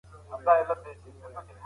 په څېړنه کې امتیاز ورکول ناسم کار دی.